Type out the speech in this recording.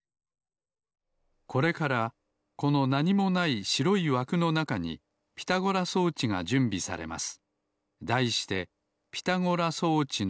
これからこのなにもないしろいわくのなかにピタゴラ装置がじゅんびされます。